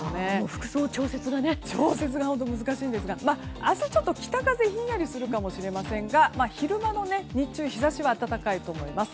服装の調節が難しいんですが明日、北風がひんやりするかもしれませんが昼間の日中日差しは暖かいと思います。